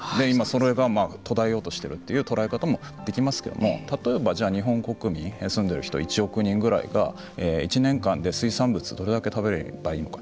それが途絶えようとしているという捉え方もできますけど例えば、日本国民住んでる人１億人ぐらいが１年間で水産物どれだけ食べればいいのか。